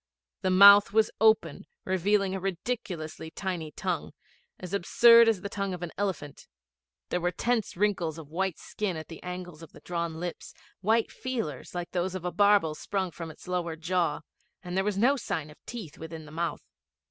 The mouth was open, revealing a ridiculously tiny tongue as absurd as the tongue of an elephant; there were tense wrinkles of white skin at the angles of the drawn lips, white feelers like those of a barbel sprung from the lower jaw, and there was no sign of teeth within the mouth.